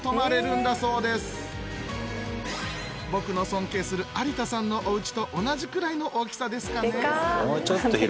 ご覧のような僕の尊敬する有田さんのおうちと同じくらいの大きさですかね？